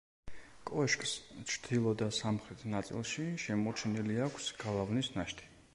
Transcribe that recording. კოშკს ჩრდილო და სამხრეთ ნაწილში შემორჩენილი აქვს გალავნის ნაშთი.